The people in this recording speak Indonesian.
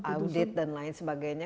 audit dan lain sebagainya